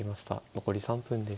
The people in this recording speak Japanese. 残り３分です。